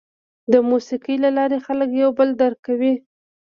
د موسیقۍ له لارې خلک یو بل درک کوي.